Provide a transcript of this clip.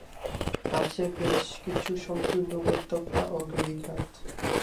আছে বেশ কিছু সংকীর্ণ উপত্যকা ও গিরিখাত।